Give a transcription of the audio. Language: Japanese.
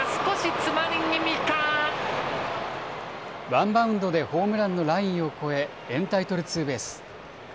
ワンバウンドでホームランのラインを越えエンタイトルツーベース。